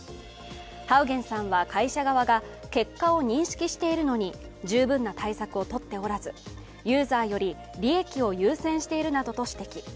ハウゲンさんは会社側が結果を認識しているのに十分な対策をとっておらず、ユーザーより利益を優先しているなどと指摘。